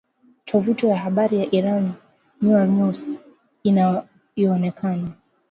Tovuti ya habari ya Iran Nournews inayoonekana